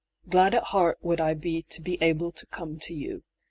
Gladd at harte would I be to be able to come to you.